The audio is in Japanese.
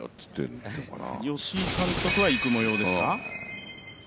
吉井監督は行くもようですか。